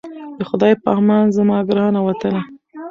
د خدای په امان زما ګرانه وطنه😞